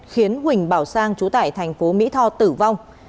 khiến huỳnh bảo sang trú tại thành phố mỹ tho tử vong